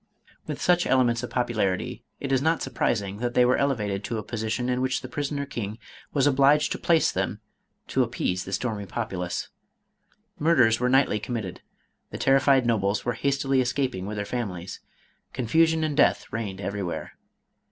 With such elements of popularity, it is not surprising 502 MADAME KOLAND. that they were elevated to a position in which the pris oner king was obliged to place them to appease the stormy populace. Murdei^ were nightly committed, the terrified nobles were hastily escaping with their families, confusion and death reigned everywhere.